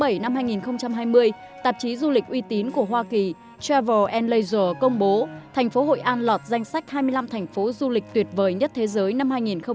năm hai nghìn hai mươi tạp chí du lịch uy tín của hoa kỳ travel laser công bố thành phố hội an lọt danh sách hai mươi năm thành phố du lịch tuyệt vời nhất thế giới năm hai nghìn hai mươi